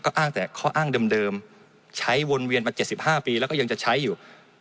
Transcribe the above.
อ้างแต่ข้ออ้างเดิมใช้วนเวียนมา๗๕ปีแล้วก็ยังจะใช้อยู่